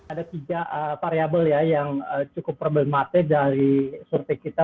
ada tiga variable ya yang cukup problematik dari survei kita